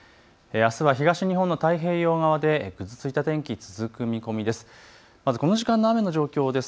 あすは東日本の太平洋側でぐずついた天気、続く見込みです。